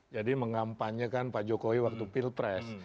jadi mengampanyekan pak jokowi waktu pilpres